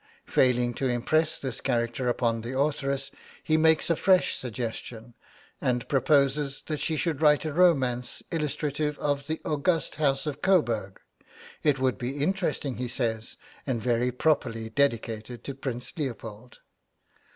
Failing to impress this character upon the authoress, he makes a fresh suggestion, and proposes that she should write a romance illustrative of the august house of Coburg. 'It would be interesting,' he says, 'and very properly dedicated to Prince Leopold.'